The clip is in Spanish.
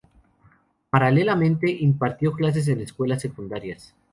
Paralelamente, impartió clases en escuelas secundarias.